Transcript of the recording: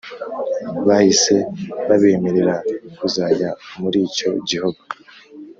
bahise babemerera kuzajya muricyo gihugu